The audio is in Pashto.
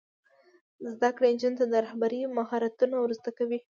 زده کړه نجونو ته د رهبرۍ مهارتونه ور زده کوي.